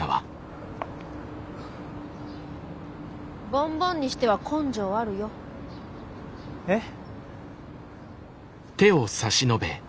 ボンボンにしては根性あるよ。えっ？